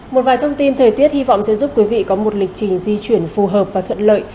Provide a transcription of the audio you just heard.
một vài thông tin thời tiết hy vọng sẽ giúp quý vị có một lịch trình di chuyển phù hợp và thuận lợi